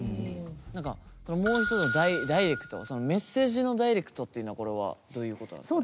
もう一つのダイレクトそのメッセージのダイレクトっていうのはこれはどういうことですか？